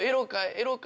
エロか？」